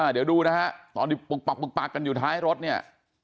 เดี๋ยวดูนะฮะตอนที่ปกปักปึกปักกันอยู่ท้ายรถเนี่ย